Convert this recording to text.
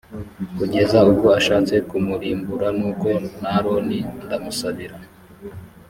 kugeza ubwo ashatse kumurimbura; nuko n’aroni ndamusabira.